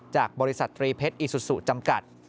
จากบริษัทตรีเพชรอีซูซูจำกัด